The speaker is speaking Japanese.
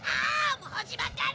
もう星ばっかり！